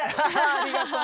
ありがとう。